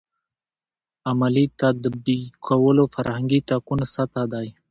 عملي تطبیقولو فرهنګي تکون سطح دی.